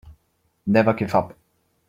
Never give up.